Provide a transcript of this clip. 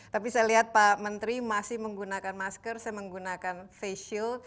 tapi saya lihat pak menteri masih menggunakan masker saya menggunakan face shield